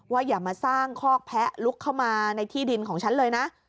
อย่ามาสร้างคอกแพะลุกเข้ามาในที่ดินของฉันเลยนะ